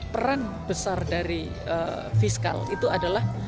peran besar dari fiskal itu adalah